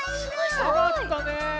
あがったね。